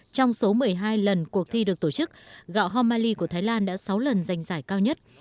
trong số một mươi hai lần cuộc thi được tổ chức gạo homaly của thái lan đã sáu lần giành giải cao nhất